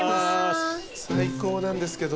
最高なんですけど。